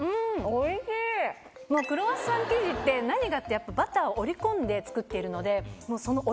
クロワッサン生地ってバター折り込んで作っているので。